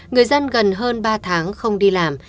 người dân gần hơn ba tháng không đi làm